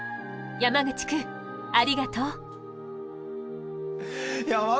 山口くんありがとう！